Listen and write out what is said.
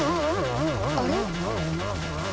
あれ？